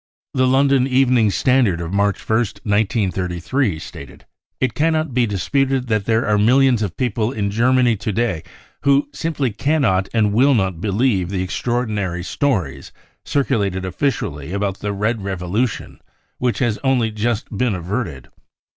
The London Evening Standard of March ist, 1933, staged : "It cannot be disputed that there are millions of people in Germany to day who simply cannot and will not believe the extraordinary stories circulated officially about the ' Red 5 revolution which has only just been averted.